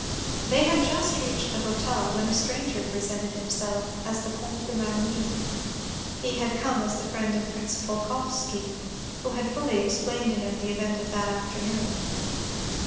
They had but just reached the hotel, when a stranger presented himself to them as the Count de Marny. He had come as the friend of Prince Volkoffsky, who had fully explained to him the event of that afternoon.